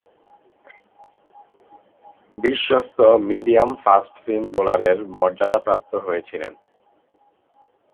বিশ্বস্ত medium fast seam বোলারের মর্যাদাপ্রাপ্ত হয়েছিলেন।